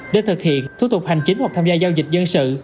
để thực hiện thủ tục hành chính hoặc tham gia giao dịch dân sự